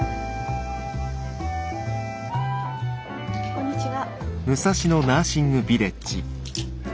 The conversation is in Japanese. こんにちは。